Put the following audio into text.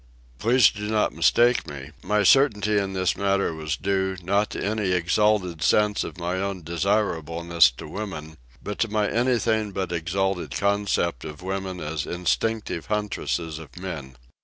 Please do not mistake me. My certainty in this matter was due, not to any exalted sense of my own desirableness to women, but to my anything but exalted concept of women as instinctive huntresses of men.